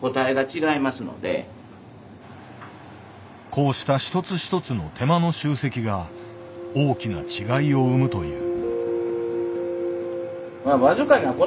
こうした一つ一つの手間の集積が大きな違いを生むという。